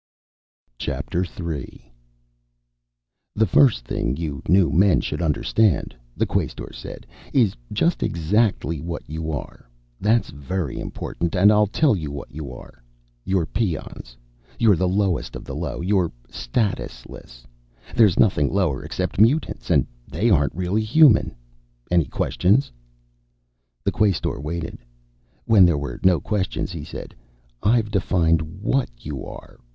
Chapter Three "The first thing you new men should understand," the Quaestor said, "is just exactly what you are. That's very important. And I'll tell you what you are. You're peons. You're the lowest of the low. You're statusless. There's nothing lower except mutants, and they aren't really human. Any questions?" The Quaestor waited. When there were no questions, he said, "I've defined what you are.